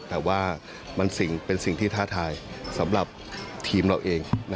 แต่ว่ามันเป็นสิ่งที่ท้าทายสำหรับทีมเราเอง